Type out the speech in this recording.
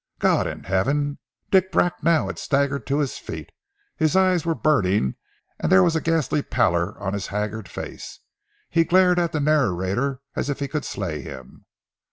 "God in heaven!" Dick Bracknell had staggered to his feet. His eyes were burning and there was a ghastly pallor on his haggard face. He glared at the narrator as if he could slay him.